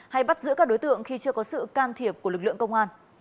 hay bắt giữ các đối tượng khi chưa có sự can thiệp của lực lượng công an